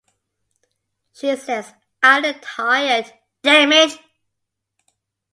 She says I look tired, damn it.